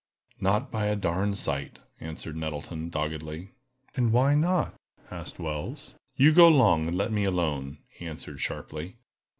"Not by a darn sight!" answered Nettleton, doggedly. "And why not?" asked Wells. "You go 'long, and let me alone!" he answered, sharply.